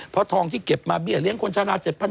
เพราะทองที่เก็บมาเบี้ยเลี้ยงคนชะลา๗๐๐